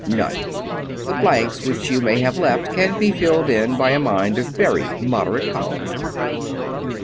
"None. The blanks which you may have left can be filled in by a mind of very moderate power."